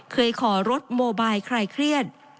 เคยขอรถโมบายใครเครียด